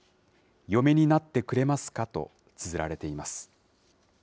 嫁になってくれますかとつづられています。